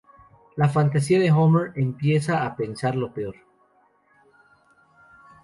La fantasía de Homer empieza a pensar lo peor.